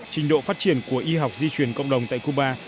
trình độ phát triển của y học di chuyển cộng đồng tại cuba